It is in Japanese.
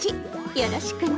よろしくね。